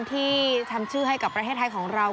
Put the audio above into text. ที่ทำชื่อให้กับประเทศไทยของเรา